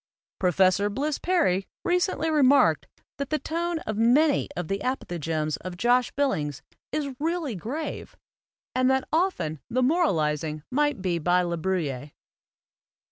Professor Bliss Perry recently remarked that the tone of many of the apothegms of Josh Billings is really grave and that often the moralizing might be by La Bruyere.